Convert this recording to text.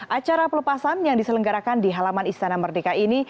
acara pelepasan yang diselenggarakan di halaman istana merdeka ini